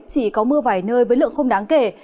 chỉ có mưa vài nơi với lượng không đáng kể